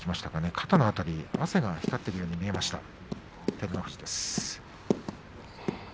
肩の辺り汗が光っているように見えました、照ノ富士です。